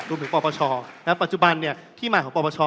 ปปชปัจจุบันที่มาของปปช